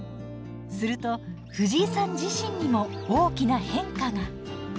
するとフジイさん自身にも大きな変化が。